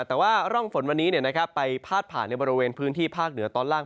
แต่ว่าร่องฝนวันนี้ไปพาดผ่านในบริเวณพื้นที่ภาคเหนือตอนล่าง